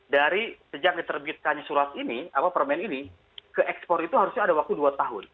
dari sejak diterbitkan surat ini permen ini ke ekspor itu harusnya ada waktu dua tahun